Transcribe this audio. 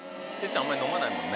あんまり飲まないもんね。